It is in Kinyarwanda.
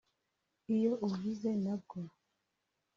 Iyo uvuze nabwo